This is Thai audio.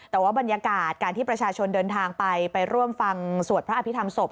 แต่ว่าบรรยากาศการที่ประชาชนเดินทางไปไปร่วมฟังสวดพระอภิษฐรรศพ